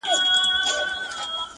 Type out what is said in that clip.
o دا چي له کتاب سره ياري کوي.